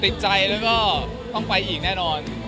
ติดใจแล้วก็ต้องไปอีกแน่นอน